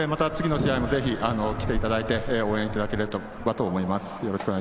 次の試合もぜひ来ていただいて応援いただけると思います。